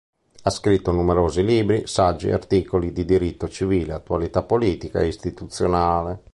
Ha scritto numerosi libri, saggi e articoli di diritto civile, attualità politica e istituzionale.